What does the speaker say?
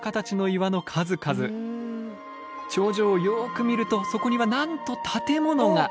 頂上をよく見るとそこにはなんと建物が。